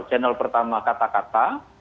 channel pertama kata kata